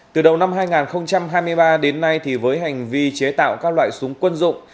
từ đầu năm hai nghìn hai mươi ba đến nay với hành vi chế tạo các loại súng quân dụng